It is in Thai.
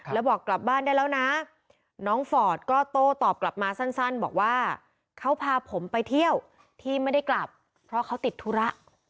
แล้วบอกกลับบ้านได้แล้วนะน้องฟอร์ดก็โต้ตอบกลับมาสั้นบอกว่าเขาพาผมไปเที่ยวที่ไม่ได้กลับเพราะเขาติดธุระ